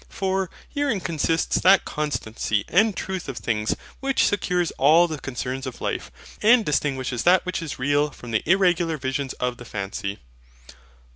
For, herein consists that constancy and truth of things which secures all the concerns of life, and distinguishes that which is real from the IRREGULAR VISIONS of the fancy.